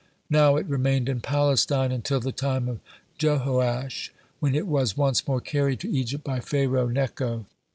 Now it remained in Palestine until the time of Jehoash, when it was once more carried to Egypt by Pharaoh Necho.